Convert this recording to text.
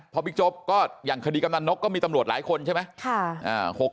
พอบิ๊กโจ๊กก็อย่างคดีกำนันนกก็มีตำรวจหลายคนใช่ไหม